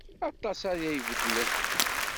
Aṭas ara ibeddlen.